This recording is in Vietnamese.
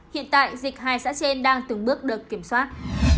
hiện tại dịch hai xã trên đang từng bước được kiểm soát